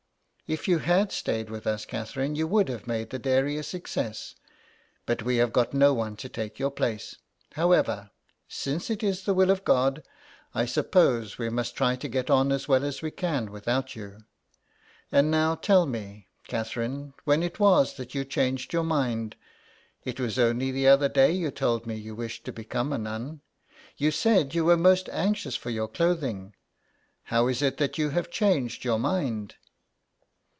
'' If you had stayed with us, Catherine, you would have made the dairy a success ; but we have got no one to take your place. However, since it is the 144 THE EXILE. will of God, I suppose we must try to get on as well as we can without you. And now tell me, Catherine, when it was that you changed your mind. It was only the other day you told me you wished to become a nun. You said you were most anxious for your clothing. How is it that you have changed your mind